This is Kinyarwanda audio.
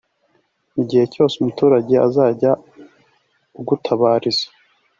igihe cyose umuturage azajya ugatabariza